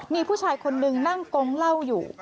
มีผู้ชายคนนึงนั่งกงเหล้าอยู่